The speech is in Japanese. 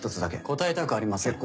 答えたくありません。